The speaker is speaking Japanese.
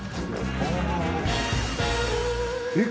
えっ？